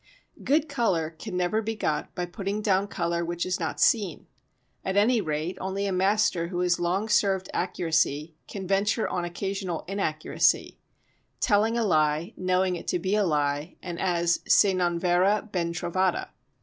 Good colour can never be got by putting down colour which is not seen; at any rate only a master who has long served accuracy can venture on occasional inaccuracy—telling a lie, knowing it to be a lie, and as, se non vera, ben trovata.